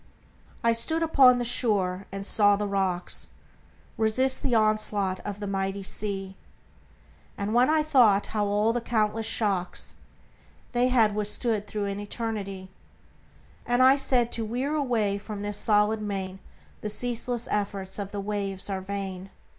I stood upon the shore, and saw the rocks Resist the onslaught of the mighty sea, And when I thought how all the countless shocks They had withstood through an eternity, I said, "To wear away this solid main The ceaseless efforts of the waves are vain."